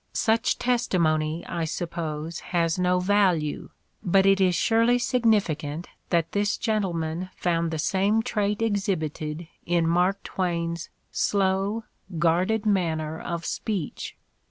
Such testi Mark Twain's Humor 209 mony, I suppose, has no value; but it is surely signifi cant that this gentleman found the same trait exhibited in Mark Twain's "slow, guarded manner of speech."